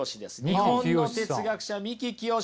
日本の哲学者三木清。